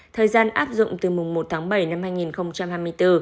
thời gian áp dụng từ mùng một tháng bảy năm hai nghìn hai mươi bốn